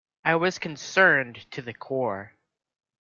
I was concerned to the core.